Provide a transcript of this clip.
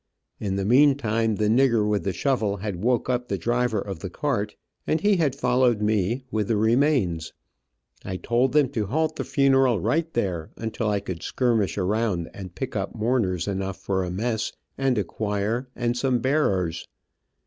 In the meantime the nigger with the shovel had woke up the driver of the cart, and he had followed me, with the remains. I told them to halt the funeral right there, until I could skirmish around and pick up mourners enough for a mess, and a choir, and some bearers.